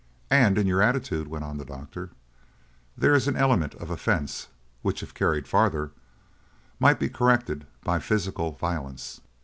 "And in your attitude," went on the doctor, "there is an element of offense which if carried farther might be corrected by physical violence."